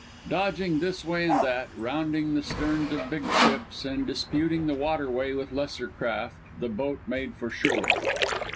Dodging this way and that, rounding the sterns of big ships, and disputing the water way with lesser craft, the boat made for shore.